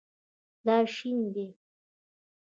دا شین دی